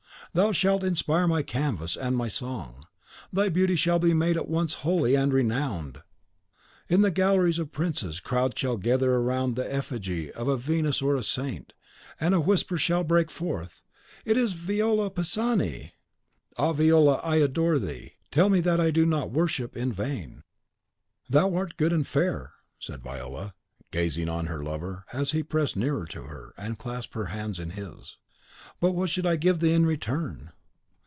Thou shalt inspire my canvas and my song; thy beauty shall be made at once holy and renowned. In the galleries of princes, crowds shall gather round the effigy of a Venus or a Saint, and a whisper shall break forth, 'It is Viola Pisani!' Ah! Viola, I adore thee; tell me that I do not worship in vain." "Thou art good and fair," said Viola, gazing on her lover, as he pressed nearer to her, and clasped her hand in his; "but what should I give thee in return?"